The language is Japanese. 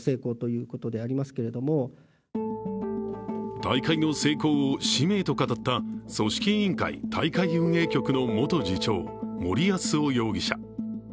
大会の成功を使命と語った組織委員会大会運営局の元次長、森泰夫容疑者。